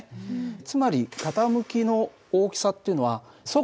つまり傾きの大きさっていうのは速度の大きさ。